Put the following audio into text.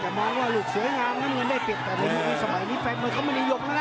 แต่มายว่าหลุดเสียงามน้ำเงินได้เปลี่ยนแต่ในภูมิสมัยนี้แฟนมือเขาไม่ได้หยกแล้วนะ